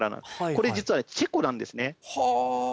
これ実はチェコなんですね。